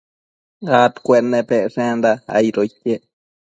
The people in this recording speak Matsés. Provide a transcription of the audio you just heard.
adcuennepecshenda aido iquec